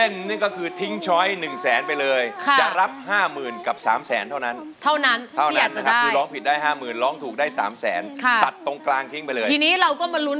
ดูท่าจะสู้นะครับดูท่าจะสู้